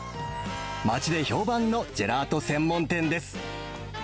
町で評判のジェラート専門店です。